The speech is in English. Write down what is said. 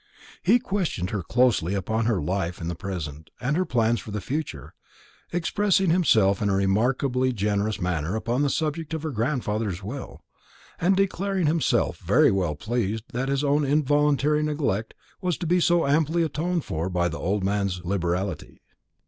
He questioned her closely upon her life in the present, and her plans for the future, expressing himself in a remarkably generous manner upon the subject of her grandfather's will, and declaring himself very well pleased that his own involuntary neglect was to be so amply atoned for by the old man's liberality.